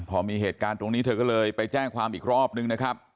พอมีเหตุการณ์ตรงนี้เธอก็เลยไปแจ้งความอีกรอบนึงนะครับ